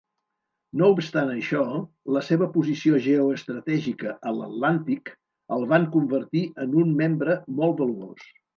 No obstant això, la seva posició geoestratègica a l"Atlàntic el van convertir en un membre molt valuós.